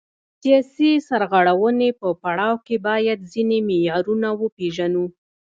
د سیاسي سرغړونې په پړاو کې باید ځینې معیارونه وپیژنو.